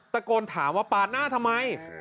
ตะโกนถามว่าปาดหน้าทำไม